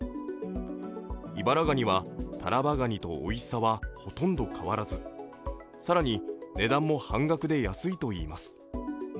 イバラガニはタラバガニとおいしさはほとんど変わらず、更に、値段も半額で安いといいます